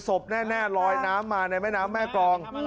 ศพแน่ลอยน้ำมาในแม่น้ำแม่กรอง